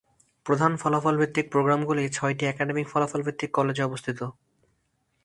প্রধান ফলাফল ভিত্তিক প্রোগ্রামগুলি ছয়টি একাডেমিক ফলাফল ভিত্তিক কলেজে অবস্থিত।